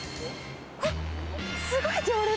あっ、すごい行列。